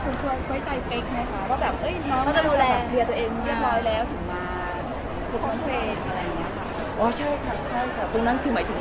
ส่วนครับคุณเภยใจคว้ยใจใหญ่ไหมคะพื้นที่ดูแรง